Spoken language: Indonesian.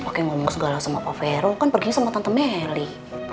pak vero kan pergi sama tante meli